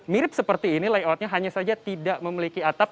mirip seperti ini layoutnya hanya saja tidak memiliki atap